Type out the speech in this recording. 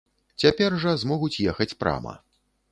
Цяпер жа змогуць ехаць прама.